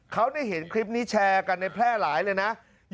เขาได้เห็นคลิปนี้แชร์กันในแพร่หลายเลยนะ